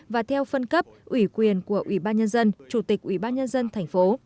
và theo phân cấp ủy quyền của ủy ban nhân dân chủ tịch ủy ban nhân dân tp